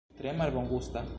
Tre malbongusta.